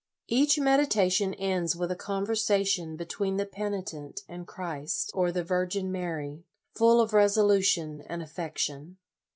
Each meditation ends with a conversa tion between the penitent and Christ or the Virgin Mary, full of resolution and affec tion.